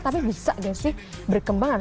tapi bisa nggak sih berkembang